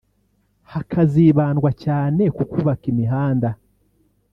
hakazibandwa cyane ku kubaka imihanda